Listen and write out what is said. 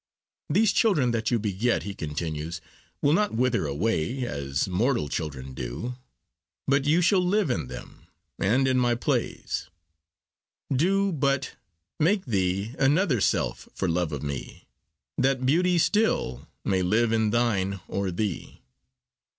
These children that you beget, he continues, will not wither away, as mortal children do, but you shall live in them and in my plays: do but— Make thee another self, for love of me, That beauty still may live in thine or thee.